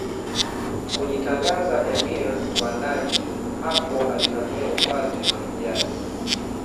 kujitangaza Emir wa Najd Hapo alivamia ufalme wa Hijaz